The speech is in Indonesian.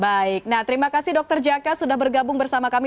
baik nah terima kasih dokter jaka sudah bergabung bersama kami di tempat ini